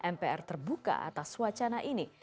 mpr terbuka atas wacana ini